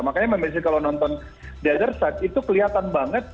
makanya memang kalau nonton the other side itu kelihatan banget